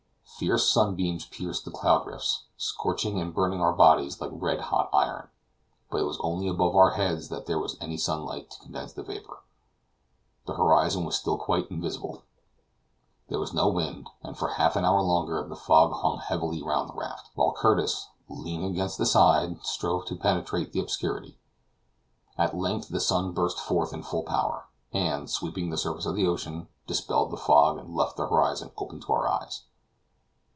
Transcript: Fierce sunbeams pierced the cloud rifts, scorching and burning our bodies like red hot iron; but it was only above our heads that there was any sunlight to condense the vapor; the horizon was still quite invisible. There was no wind, and for half an hour longer the fog hung heavily round the raft, while Curtis, leaning against the side, strove to penetrate the obscurity. At length the sun burst forth in full power, and, sweeping the surface of the ocean, dispelled the fog and left the horizon open to our eyes.